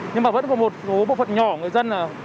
nhưng mà vẫn có một số bộ phận nhỏ người dân là